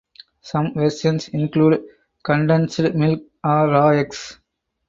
Some versions include condensed milk or raw eggs.